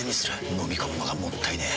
のみ込むのがもったいねえ。